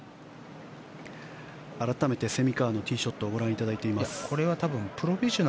改めて蝉川のティーショットをご覧いただいています。